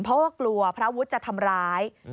เพราะว่ากลัวพระวุฒิจะทำร้าย